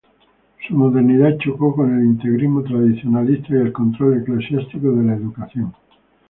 Su modernidad chocó con el integrismo tradicionalista y el control eclesiástico de la educación.